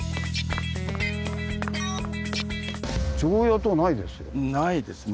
常夜燈ないですよ。